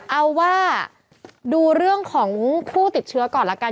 เอาว่าดูเรื่องของผู้ติดเชื้อก่อนละกัน